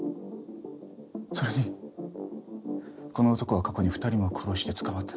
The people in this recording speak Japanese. それにこの男は過去に２人も殺して捕まってない。